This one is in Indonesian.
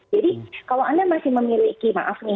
jadi kalau anda masih memiliki maaf nih